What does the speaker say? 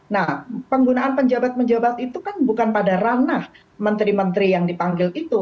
nah penggunaan penjabat penjabat itu kan bukan pada ranah menteri menteri yang dipanggil itu